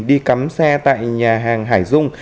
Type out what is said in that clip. đi cắm xe tại nhà hàng hải dung